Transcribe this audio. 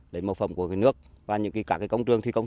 lấy mẫu phẩm của nước và các công trường thi công